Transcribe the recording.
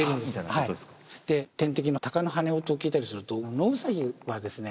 はいで天敵のタカの羽音を聞いたりすると野ウサギはですね